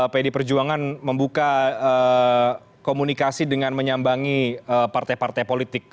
pd perjuangan membuka komunikasi dengan menyambangi partai partai lainnya